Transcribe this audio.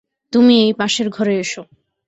তুমি এই পাশের ঘরে এসো।